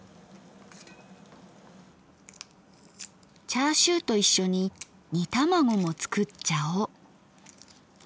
チャーシューと一緒に煮卵も作っちゃおう。